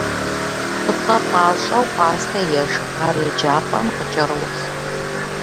Пӏытӏэ пӏащӏэу пӏастэ ешх, ар еджапӏэм къыкӏэроху.